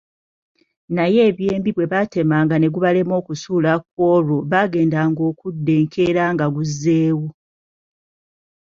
Naye eby’embi bwe baatemanga ne gubalema okusuula kw’olwo baagendanga okudda enkeera nga guzzeewo.